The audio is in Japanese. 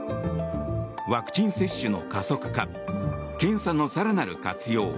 ワクチン接種の加速化検査の更なる活用